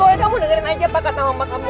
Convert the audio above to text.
pokoknya kamu dengerin aja pakatan mama kamu